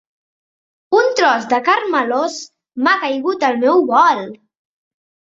Un tros de carn melós m'ha caigut al meu bol!